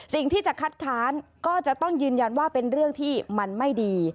สิ่งที่จะคัดค้านก็จะต้องยืนยันว่าเป็นเรื่องที่มันไม่ดี